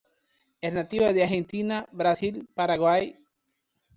Es nativa de Argentina, Brasil, Paraguay.